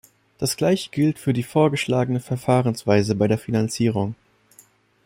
Das Gleiche gilt für die vorgeschlagene Verfahrensweise bei der Finanzierung.